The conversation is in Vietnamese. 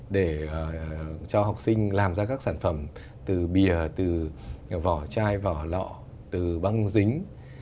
để cho học sinh làm ra các sản phẩm từ bìa từ vỏ chai vỏ lọ từ băng dính